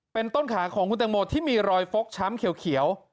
เป็นต้นขาของคุณตังโมที่มีรอยฟกช้ำเขียว